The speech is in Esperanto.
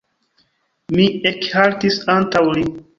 Mi ekhaltis antaŭ li.